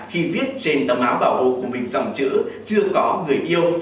khi viết trên đồng áo bảo hộ của mình dòng chữ chưa có người yêu